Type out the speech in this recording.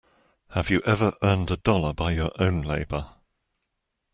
Have you ever earned a dollar by your own labour.